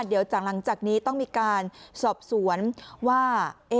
เดี๋ยวหลังจากนี้ต้องมีการสอบสวนว่า